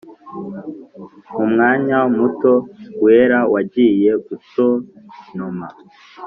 mumwanya muto wera wagiye gutontoma.